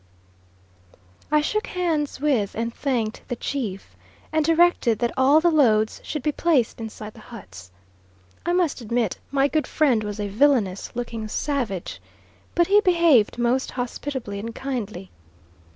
I shook hands with and thanked the chief, and directed that all the loads should be placed inside the huts. I must admit my good friend was a villainous looking savage, but he behaved most hospitably and kindly.